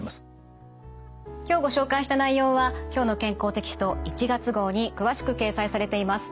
今日ご紹介した内容は「きょうの健康」テキスト１月号に詳しく掲載されています。